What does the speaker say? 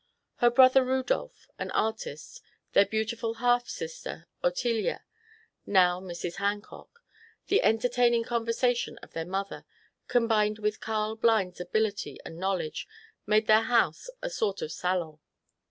Her brother Rudolf, an artist, their beautiful half sister Ottilia (now Mrs. Han cock), the entertaining conversation of their mother, combined with Earl Blind's ability and knowledge, made their house a sort of salon.